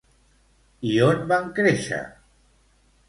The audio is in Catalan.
I on van créixer?